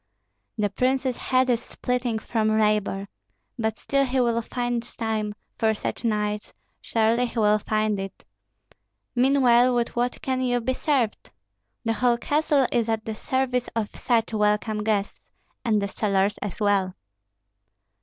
"The prince's head is splitting from labor; but still he will find time for such knights, surely he will find it. Meanwhile with what can you be served? The whole castle is at the service of such welcome guests, and the cellars as well."